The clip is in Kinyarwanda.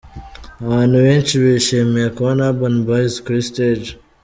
Abantu benshi bishimiye kubona Urban Boys kuri stage.